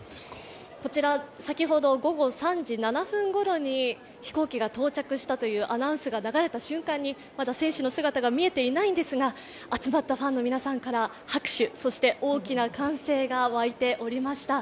こちら先ほど午後３時７分ごろに飛行機が到着したというアナウンスが流れた瞬間に、まだ選手の姿が見えていないんですが、集まったファンの皆さんから拍手、大きな歓声が沸いておりました。